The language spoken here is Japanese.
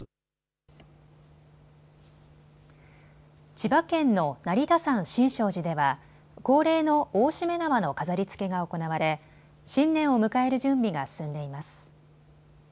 千葉県の成田山新勝寺では恒例の大しめ縄の飾りつけが行われ新年を迎える準備が進んでいます。